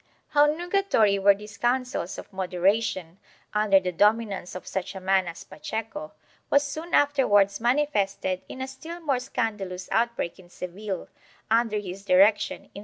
2 How nugatory were these counsels of moderation, under the dominance of such a man as Pacheco, was soon afterwards mani fested in a still more scandalous outbreak in Seville, under his direction, in 1625.